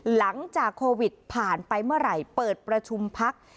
หลังจากโควิดผ่านไปเมื่อไหร่เปิดประชุมพัก